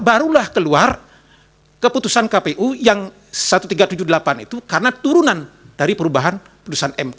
barulah keluar keputusan kpu yang satu ratus tiga puluh delapan itu karena turunan dari perubahan putusan mk